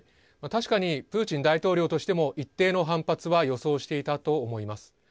確かにプーチン大統領としても一定の反発は予想していたと思います。